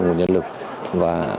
nguồn nhân lực và